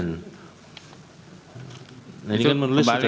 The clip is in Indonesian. nah ini kan menulis sudah